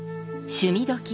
「趣味どきっ！」